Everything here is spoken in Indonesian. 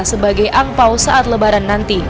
sebagai angpao saat lebaran nanti